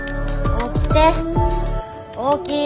起きて！